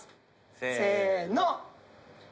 せの！